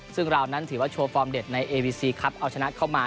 ซึ่งเรานั้นถือว่าโชว์ฟอร์มเด็ดในเอวีซีครับเอาชนะเข้ามา